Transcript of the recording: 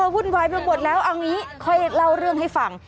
อ้อวุ่นวายบรรบบทแล้วเอาอย่างนี้คอยเล่าเรื่องให้ฟัง